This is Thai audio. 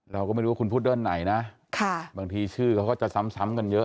เราก็ไม่รู้ว่าคุณพูดด้านไหนนะบางทีชื่อเขาก็จะซ้ำกันเยอะ